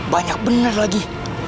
banyak bener lagi